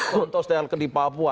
contoh setelah di papua